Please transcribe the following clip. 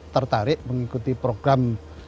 tertarik mengikuti program